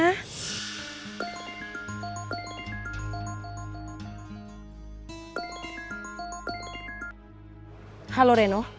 kenzo jangan bergerak gerak